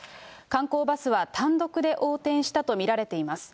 観光バスは単独で横転したと見られています。